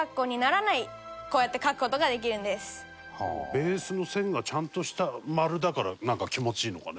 ベースの線がちゃんとした丸だからなんか気持ちいいのかね